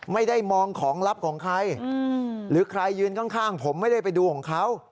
ไม่ได้มองของลับของใครหรือใครยืนข้างผมไม่ได้ไปดูของเขา